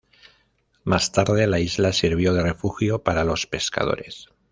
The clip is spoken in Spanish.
Más tarde, la isla sirvió de refugio para los pescadores.